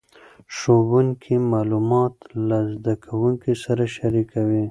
ښوونکي معلومات له زده کوونکو سره شریکوي.